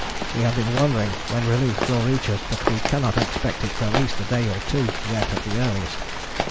We have been wondering when relief will reach us, but we cannot expect it for at least a day or two yet at the earliest.